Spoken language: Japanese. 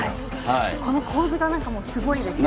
この構図がもう、すごいですね。